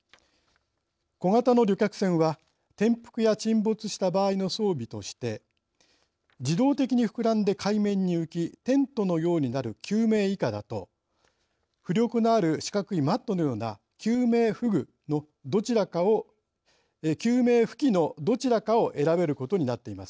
小型の旅客船は転覆や沈没した場合の装備として自動的に膨らんで海面に浮きテントのようになる救命いかだと浮力のある四角いマットのような救命浮器のどちらかを選べることになっています。